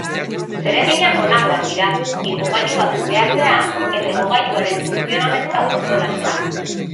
Zereginak honakoak dira: igogailua kudeatzea eta igogailuaren funtzionamendua kontrolatzea.